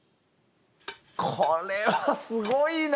これはすごいな。